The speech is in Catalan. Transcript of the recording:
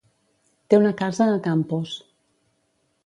Té una casa a Campos.